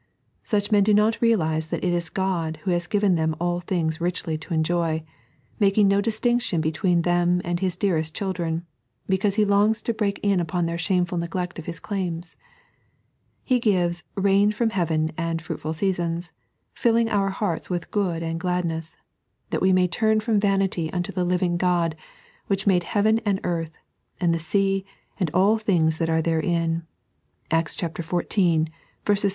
Such men do not realize that it is God who has given them all things richly to enjoy, making no distinction between them and His dearest childien, because He longs to break in upon their shamefnl neglect of His claims. He gives " tain from heaven and fruitful seasons, filling our hearts with good and gladness," that we may turn from vanity unto the living God, which made heaven and earth, and the sea, and all things that axe therein (Acts xiv. 16 17).